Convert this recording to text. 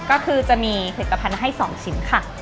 ก็คือจะมีผลิตภัณฑ์ให้๒ชิ้นค่ะ